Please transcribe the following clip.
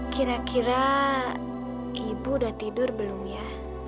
kira kira ibu udah tidur belum ya